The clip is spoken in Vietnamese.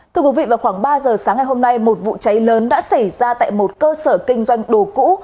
thưa quý vị vào khoảng ba giờ sáng ngày hôm nay một vụ cháy lớn đã xảy ra tại một cơ sở kinh doanh đồ cũ